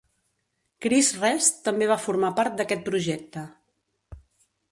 Chris Rest també va formar part d'aquest projecte.